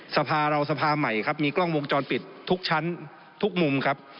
สภาเราสภาใหม่ครับมีกล้องวงจรปิดทุกชั้นทุกมุมครับ